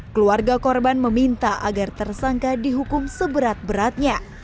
keluarga korban meminta agar tersangka dihukum seberat beratnya